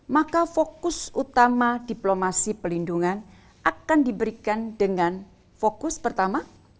maka fokus utama diplomasi pelindungan akan diberikan dengan fokus pertama